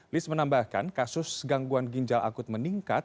lis menambahkan kasus gangguan ginjal akut meningkat